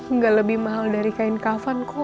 nggak lebih mahal dari kain kafan kok